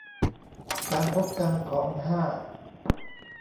การพบกันของ ห้า